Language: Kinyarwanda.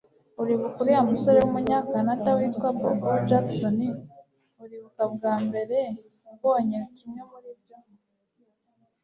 Uribuka uriya musore wumunyakanada witwa Bobo Jackson Uribuka bwa mbere ubonye kimwe muri ibyo